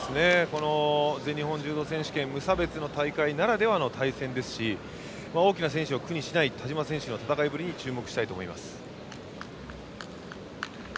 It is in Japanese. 全日本柔道選手権無差別の大会ならではの対戦ですし大きな選手を苦にしない田嶋選手の戦いぶりに注目したいと思います。